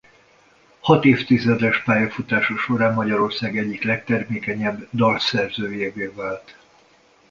Hat évtizedes pályafutása során Magyarország egyik legtermékenyebb dalszerzőjévé vált.